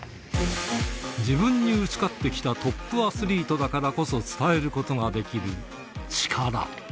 自分に打ち勝ってきたトップアスリートだからこそ伝えることができる力。